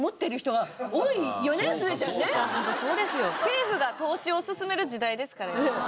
政府が投資を勧める時代ですからやっぱり。